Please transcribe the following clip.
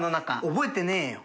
覚えてねぇよ。